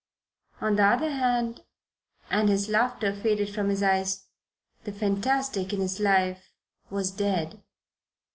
On the other hand and his laughter faded from his eyes the fantastic in his life was dead.